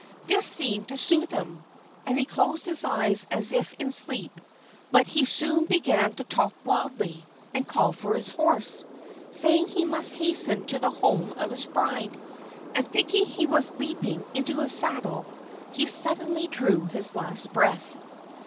This seemed to soothe him, and he closed his eyes as if in sleep, but he soon began to talk wildly, and call for his horse, saying he must hasten to the home of his bride, and thinking he was leaping into the saddle, he suddenly drew his last breath.